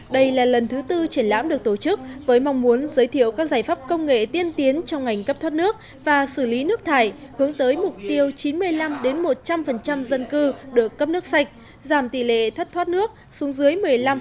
đây là lần thứ tư triển lãm được tổ chức với mong muốn giới thiệu các giải pháp công nghệ tiên tiến trong ngành cấp thoát nước và xử lý nước thải hướng tới mục tiêu chín mươi năm một trăm linh dân cư được cấp nước sạch giảm tỷ lệ thất thoát nước xuống dưới một mươi năm